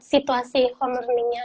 situasi home learningnya